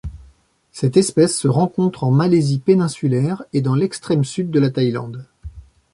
Cette espèce se rencontre en Malaisie péninsulaire et dans l'extrême sud de la Thaïlande.